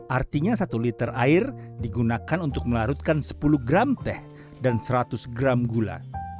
artinya satu liter air digunakan untuk melarutkan sepuluh gram teh dan seratus gram gula